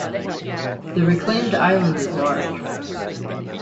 The reclaimed island is large.